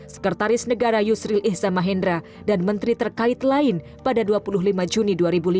sekretaris negara yusril ihza mahendra dan menteri terkait lain pada dua puluh lima juni dua ribu lima belas